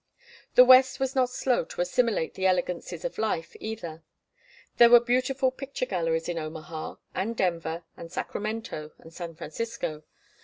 The West was not slow to assimilate the elegancies of life either. There were beautiful picture galleries in Omaha, and Denver, and Sacramento, and San Francisco.